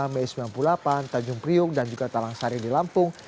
mei seribu sembilan ratus sembilan puluh delapan tanjung priung dan juga talang sari di lampung